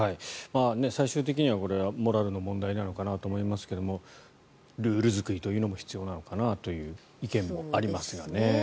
最終的にはこれはモラルの問題なのかなと思いますがルール作りというのも必要なのかなという意見もありますよね。